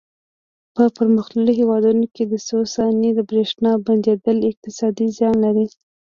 په پرمختللو هېوادونو کې څو ثانیې د برېښنا بندېدل اقتصادي زیان لري.